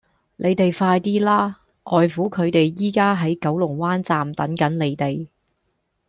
你哋快啲啦!外父佢哋而家喺九龍灣站等緊你哋